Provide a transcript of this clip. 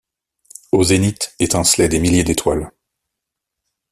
Au zénith étincelaient des milliers d’étoiles.